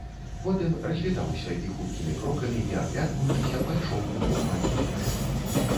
Потым развітаўся і хуткімі крокамі, не аглядваючыся, пайшоў у бок маёнтка.